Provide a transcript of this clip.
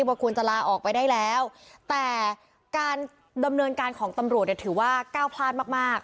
ว่าควรจะลาออกไปได้แล้วแต่การดำเนินการของตำรวจเนี่ยถือว่าก้าวพลาดมากมาก